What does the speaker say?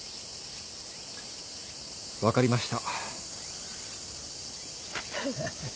分かりました。